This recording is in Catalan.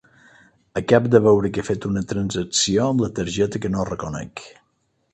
Acabo de veure que he fet una transacció amb la targeta que no reconec.